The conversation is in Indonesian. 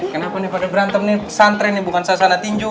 kenapa nih pada berantem santri nih bukan sasana tinju